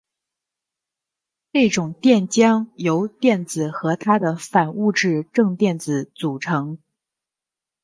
这种电浆由电子和它的反物质正电子组成。